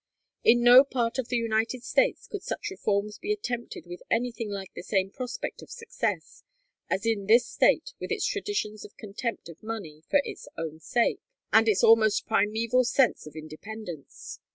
In no part of the United States could such reforms be attempted with anything like the same prospect of success, as in this State with its traditions of contempt of money for its own sake, and its almost primeval sense of independence.